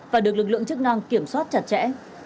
và được lực lượng chức năng kiểm soát chặt chẽ